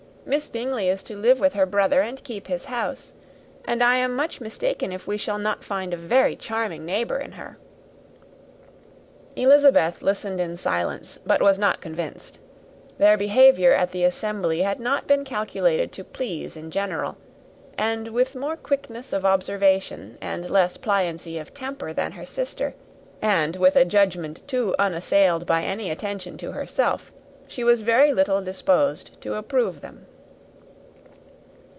Miss Bingley is to live with her brother, and keep his house; and I am much mistaken if we shall not find a very charming neighbour in her." Elizabeth listened in silence, but was not convinced: their behaviour at the assembly had not been calculated to please in general; and with more quickness of observation and less pliancy of temper than her sister, and with a judgment, too, unassailed by any attention to herself, she was very little disposed to approve them.